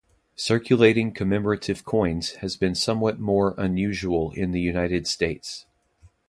Circulating commemorative coins have been somewhat more unusual in the United States.